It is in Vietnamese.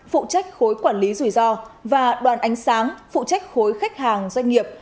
phụ trách khối quản lý rủi ro và đoàn ánh sáng phụ trách khối khách hàng doanh nghiệp